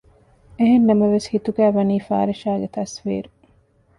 އެހެންނަމަވެސް ހިތުގައި ވަނީ ފާރިޝާގެ ތަސްވީރު